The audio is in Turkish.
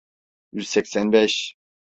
Yüz seksen beş.